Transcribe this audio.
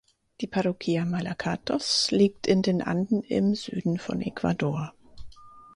Die Parroquia Malacatos liegt in den Anden im Süden von Ecuador.